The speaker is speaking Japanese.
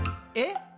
「え？